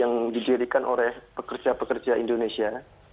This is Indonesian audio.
yang didirikan oleh pekerja pekerja indonesia